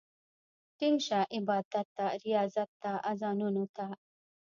ټينګ شه عبادت ته، رياضت ته، اذانونو ته